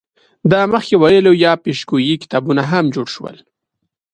د مخکې ویلو یا پیشګویۍ کتابونه هم جوړ شول.